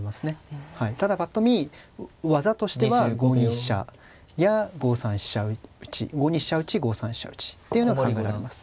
ただぱっと見技としては５二飛車や５三飛車打５二飛車打５三飛車打っていうのが考えられます。